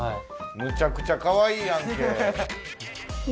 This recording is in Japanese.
むちゃくちゃかわいいやんけ。